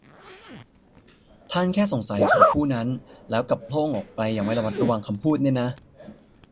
ท่านแค่สงสัยเขาผู้นั้น แล้วกลับโพล่งออกไปอย่างไม่ระมัดระวังคำพูดเนี่ยนะ